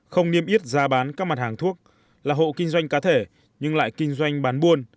không niêm yết giá bán các mặt hàng thuốc là hộ kinh doanh cá thể nhưng lại kinh doanh bán buôn